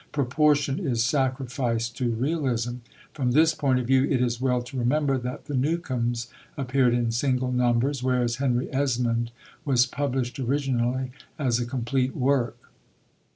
Proportion is sacrificed to realism. From this point of view, it is well to remember that The Newcomes appeared in single numbers, whereas Henry Esmond was published originally as a complete work.